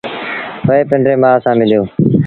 وهي پنڊريٚ مآ سآݩ مليو